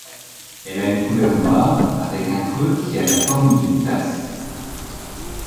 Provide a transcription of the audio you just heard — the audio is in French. Elle a une couleur noire avec un creux qui a la forme d'une tasse.